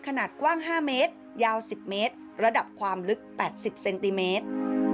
ขนาดกว้าง๕เมตรยาว๑๐เมตรระดับความลึก๘๐เซนติเมตร